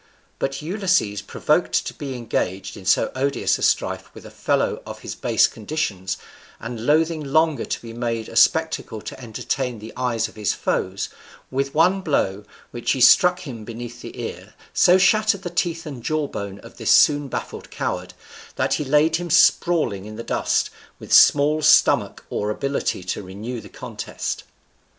But Ulysses, provoked to be engaged in so odious a strife with a fellow of his base conditions, and loathing longer to be made a spectacle to entertain the eyes of his foes, with one blow, which he struck him beneath the ear, so shattered the teeth and jawbone of this soon baffled coward that he laid him sprawling in the dust, with small stomach or ability to renew the contest.